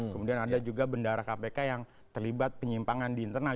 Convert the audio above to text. kemudian ada juga bendara kpk yang terlibat penyimpangan di internal